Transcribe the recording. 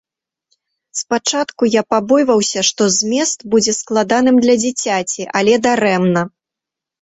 Спачатку я пабойваўся, што змест будзе складаным для дзіцяці, але дарэмна.